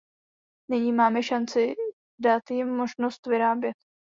Nyní máme šanci dat jim možnost vyrábět.